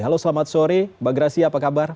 halo selamat sore mbak gracia apa kabar